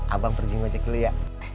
abang pergi macet dulu ya